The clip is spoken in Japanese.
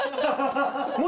もし。